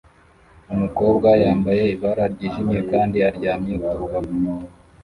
Umukobwa yambaye ibara ryijimye kandi aryamye ku rubavu